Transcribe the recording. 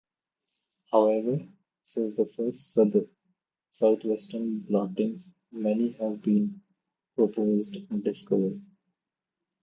However, since the first southwestern blottings, many more have been proposed and discovered.